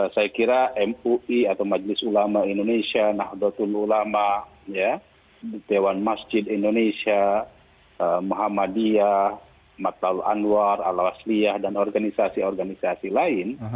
saya kira mui atau majelis ulama indonesia nahdlatul ulama dewan masjid indonesia muhammadiyah mataul anwar al wasliyah dan organisasi organisasi lain